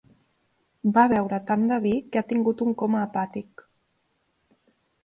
Va beure tant de vi que ha tingut un coma hepàtic.